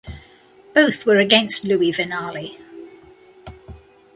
Both were against Luis Vinales.